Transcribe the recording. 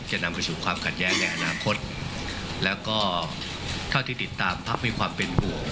นำไปสู่ความขัดแย้งในอนาคตแล้วก็เท่าที่ติดตามพักมีความเป็นห่วง